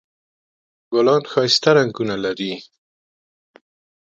ګلان ښایسته رنګونه لري